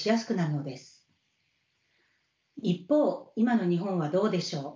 一方今の日本はどうでしょう。